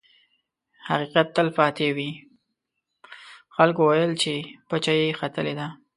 خلکو ویل چې پچه یې ختلې ده.